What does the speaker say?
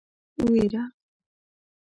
وېره.